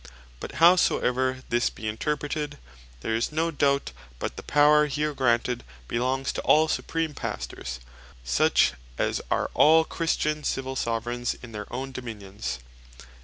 But howsoever this be interpreted, there is no doubt but the Power here granted belongs to all Supreme Pastors; such as are all Christian Civill Soveraignes in their own Dominions.